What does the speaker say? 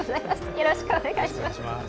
よろしくお願いします。